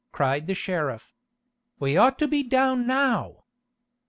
cried the sheriff. "We ought to be down now!"